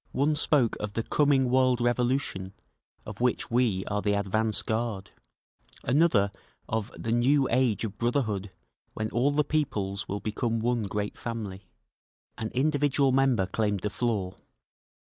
One spoke of the "coming World Revolution, of which we are the advance guard"; another of "the new age of brotherhood, when all the peoples will become one great family…." An individual member claimed the floor.